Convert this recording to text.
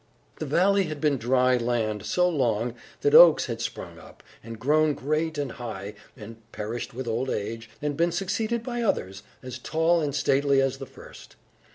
The valley had been dry land so long that oaks had sprung up, and grown great and high, and perished with old age, and been succeeded by others, as tall and stately as the first.